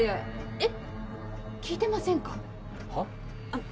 えっ？